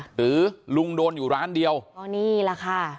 หรือลุงโดนอยู่ร้านเดียวก็นี่แหละค่ะ